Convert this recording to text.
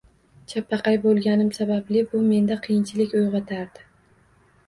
Chapaqay bo`lganim sababli, bu menda qiyinchilik uyg`otardi